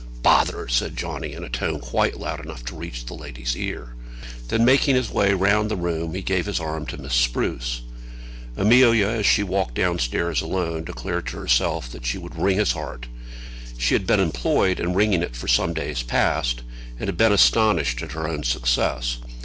"Bother!" said Johnny, in a tone quite loud enough to reach the lady's ear. Then making his way round the room, he gave his arm to Miss Spruce. Amelia, as she walked downstairs alone, declared to herself that she would wring his heart. She had been employed in wringing it for some days past, and had been astonished at her own success.